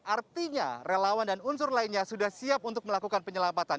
artinya relawan dan unsur lainnya sudah siap untuk melakukan penyelamatan